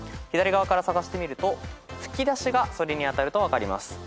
左側から探してみると吹き出しがそれに当たると分かります。